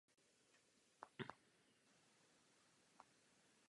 Stojí ve svahu po pravé straně cesty z Vysočan na Prosek.